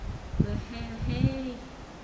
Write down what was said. - Вә-һә-һәй...